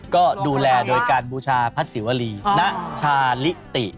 ก็ดูแลโดยการบูชาพระศิวรีณชาลิติ